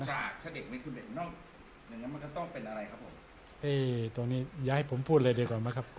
ใช่ถ้าเด็กนี้คือเด็กนอกอย่างงั้นมันก็ต้องเป็นอะไรครับผมไอ้ตัวนี้อย่าให้ผมพูดเลยดีกว่าไหมครับ